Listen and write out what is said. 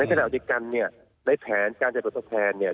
ในขณะวาดิกันในแผนการจัดลอตแผนเนี่ย